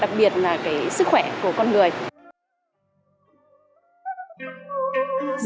đặc biệt là sức khỏe của con người